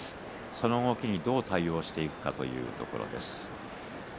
その動きにどう対応していくかというところです。